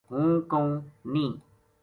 ہوں کہوں ’ نیہہ‘